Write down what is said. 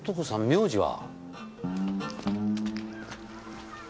名字は？